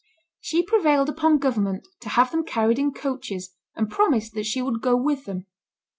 She prevailed upon government to have them carried in coaches, and promised that she would go with them.